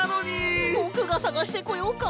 ぼくがさがしてこようか！？